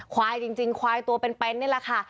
ควายจริงควายตัวเป็นนี่แหละค่ะ